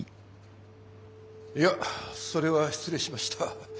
いやそれは失礼しました。